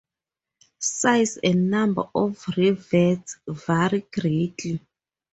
Size and number of rivets vary greatly.